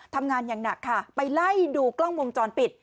ทำงานอย่างหนักค่ะไปไล่ดูกล้องวงจรปิด